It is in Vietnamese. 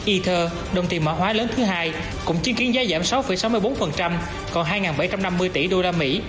ether đồng tiền mã hóa lớn thứ hai cũng chứng kiến giá giảm sáu sáu mươi bốn còn hai bảy trăm năm mươi tỷ usd